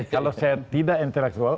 kalau saya tidak intelektual